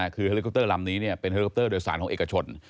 คือเฮลิคอปเตอร์ลำนี้เป็นเฮลิคอปเตอร์โดยสารของเอกชน